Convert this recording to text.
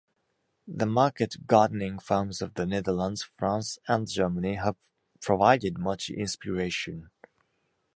The market gardening farms of the Netherlands, France, and Germany have provided much inspiration.